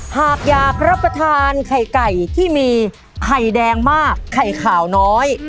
หากอยากรับประทานไข่ไก่ที่มีไข่แดงมากไข่ขาวน้อย